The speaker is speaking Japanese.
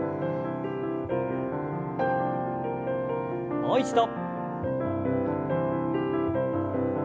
もう一度。